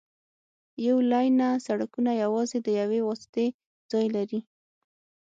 یو لینه سړکونه یوازې د یوې واسطې ځای لري